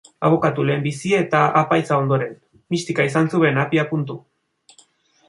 Abokatu lehenbizi, eta apaiza ondoren, mistika izan zuen abiapuntu.